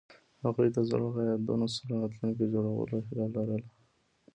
هغوی د زړه له یادونو سره راتلونکی جوړولو هیله لرله.